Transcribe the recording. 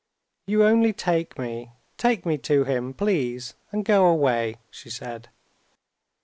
You only take me, take me to him, please, and go away," she said.